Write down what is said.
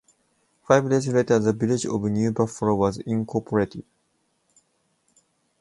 Five days later, the village of New Buffalo was incorporated.